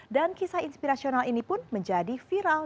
dan kisah inspirasional ini pun menjadi viral